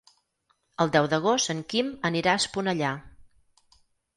El deu d'agost en Quim anirà a Esponellà.